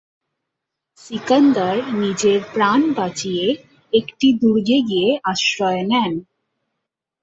সিকান্দার নিজের প্রাণ বাঁচিয়ে একটি দুর্গে গিয়ে আশ্রয় নেন।